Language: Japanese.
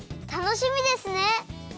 たのしみですね！